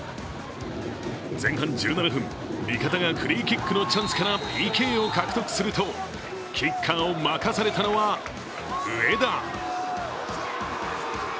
前半１７分、味方がフリーキックのチャンスからＰＫを獲得するとキッカーを任されたのは上田。